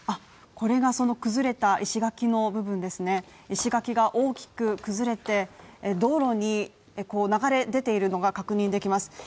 これがその崩れた石垣の部分ですね、石垣が大きく崩れて、道路に流れ出ているのが確認できます。